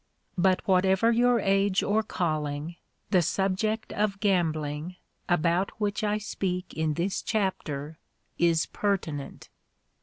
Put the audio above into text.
But, whatever your age or calling, the subject of gambling, about which I speak in this chapter, is pertinent.